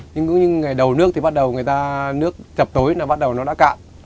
nhưng cũng như ngày đầu nước thì bắt đầu người ta nước chập tối là bắt đầu nó đã cạn